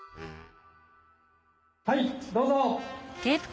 はいどうぞ！